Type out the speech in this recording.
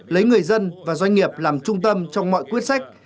lấy người dân và doanh nghiệp làm trung tâm trong mọi quyết sách